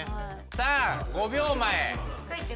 さあ５秒前。